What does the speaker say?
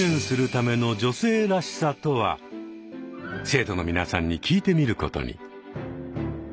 生徒の皆さんに聞いてみることに。